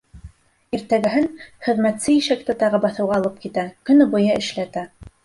Иртәгәһен хеҙмәтсе ишәкте тағы баҫыуға алып китә, көнө буйы эшләтә.